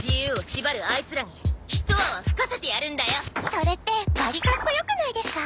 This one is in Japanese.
それってバリかっこよくないですか？